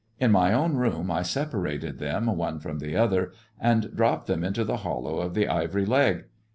In my own room I separated them one from the other, and dropped them into the hollow of the ivory leg.